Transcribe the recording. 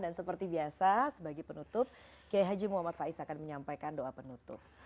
dan seperti biasa sebagai penutup gaya haji muhammad faiz akan menyampaikan doa penutup